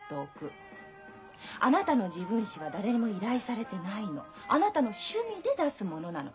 あなたの自分史は誰にも依頼されてないのあなたの趣味で出すものなの。